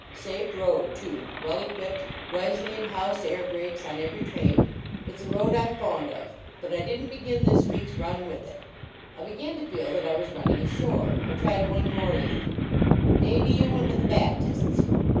Safe road, too; well equipped; Wesleyanhouse air brakes on every train. It s a road I m fond 203 THE BRAKEMAN AT CHURCH of, but I didn t begin this week s run with it." I began to feel that I was running ashore; I tried one more lead :" May be you went with the Baptists?"